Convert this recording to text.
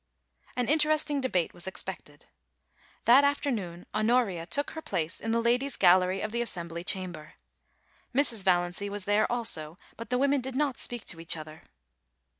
* An interesting debate was expected. That afternoon Honoria took her place in the Ladies' Gallery of the As sembly Chamber. Mrs. Valiancy was there also, but the women did not speak to each other.